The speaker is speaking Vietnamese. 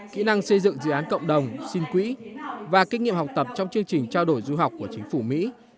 kỹ năng xây dựng dự án cộng đồng xin quỹ và kinh nghiệm học tập trong chương trình trao đổi du học của chính phủ mỹ